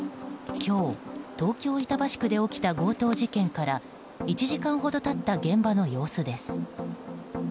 今日、東京・板橋区で起きた強盗事件から１時間ほど経った現場の様子です。